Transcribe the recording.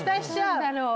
何だろう。